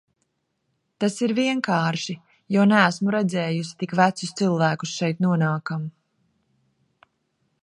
Tas ir vienkārši, jo neesmu redzējusi tik vecus cilvēkus šeit nonākam.